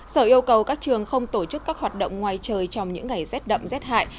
sở yêu cầu các trường không tổ chức các hoạt động ngoài trời trong những ngày rét đậm rét hại